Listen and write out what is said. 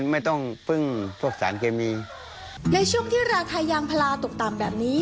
ไม่ต้องพึ่งพวกสารเคมีในช่วงที่ราคายางพลาตกต่ำแบบนี้